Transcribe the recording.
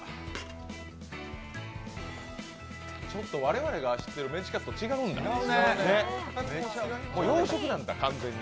我々が知っているメンチカツと違うんだ、洋食なんだ、完全に。